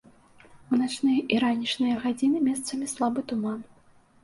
У начныя і ранішнія гадзіны месцамі слабы туман.